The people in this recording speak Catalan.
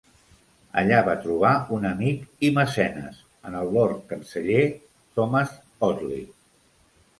Allà va trobar un amic i mecenes en el Lord Canceller Thomas Audley.